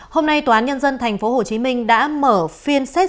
hôm nay tòa án nhân dân tp hcm đã mở phiên xét